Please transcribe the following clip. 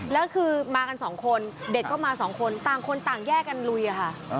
แล้วคือมากันสองคนเด็กก็มาสองคนต่างคนต่างแยกกันลุยค่ะ